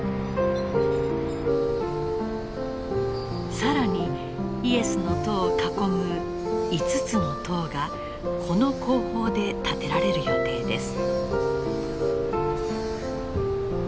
更にイエスの塔を囲む５つの塔がこの工法で建てられる予定です。